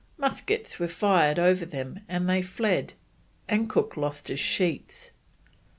Muskets were fired over them and they fled, and Cook lost his sheets.